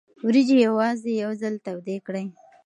وریجې یوازې یو ځل تودې کړئ.